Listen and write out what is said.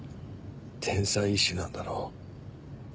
天才医師なんだろう？